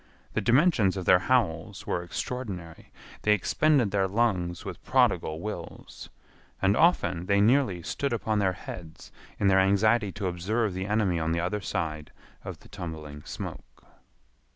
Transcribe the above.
The dimensions of their howls were extraordinary. They expended their lungs with prodigal wills. And often they nearly stood upon their heads in their anxiety to observe the enemy on the other side of the tumbling smoke.